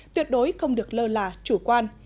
tuyệt đối không được lơ là chủ quan